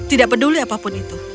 tidak peduli apapun itu